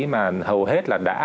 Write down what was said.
mà hầu hết là đã